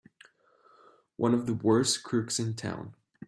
One of the worst crooks in town!